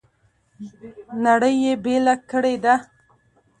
نړۍ یې بېله کړې ده.